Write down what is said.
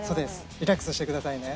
リラックスしてくださいね。